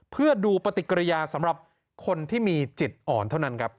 เพื่อดูปฏิกิริยาสำหรับคนที่มีจิตอ่อนเท่านั้นครับ